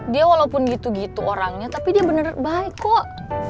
dia walaupun gitu gitu orangnya tapi dia benar benar baik kok